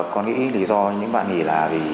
con nghĩ lý do những bạn này là